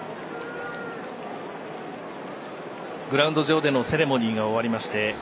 グラウンド上でのセレモニーが終わりまして